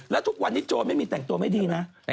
แล้วทุกวันนี้โจรไม่มีแต่งตัวไม่ดีนะ